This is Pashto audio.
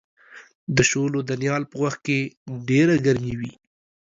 د شولو د نیال په وخت کې ډېره ګرمي وي.